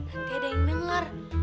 nanti ada yang denger